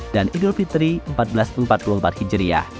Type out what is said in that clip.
dan idul fitri seribu empat ratus empat puluh empat hijriah